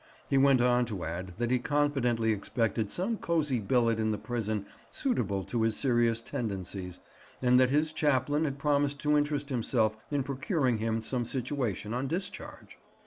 He went on to add that he confidently expected some cozy billet in the prison suitable to his serious tendencies, and that his chaplain had promised to interest himself in procuring him some situation on discharge.